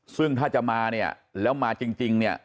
ซึ่งถ้าจะมาเนี่ยแล้วมาจริงเนี่ย